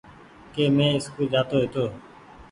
ڪي مين اسڪول جآ تو هيتو